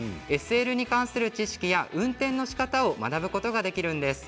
ＳＬに関する知識や運転のしかたを学ぶことができるんです。